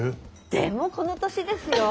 でもこの年ですよ。